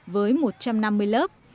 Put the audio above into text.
với một trăm năm mươi lớp